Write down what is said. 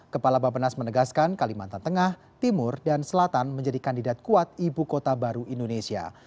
kepala bapenas menegaskan kalimantan tengah timur dan selatan menjadi kandidat kuat ibu kota baru indonesia